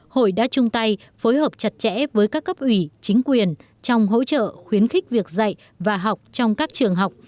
hội đã chung tay phối hợp chặt chẽ với các cấp ủy chính quyền trong hỗ trợ khuyến khích việc dạy và học trong các trường học